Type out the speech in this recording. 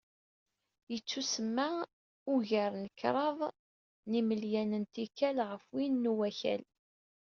Yettusemma ugar n kraḍ n yimelyan n tikkal ɣef win n Wakal.